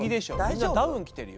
みんなダウン着てるよ。